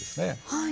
はい。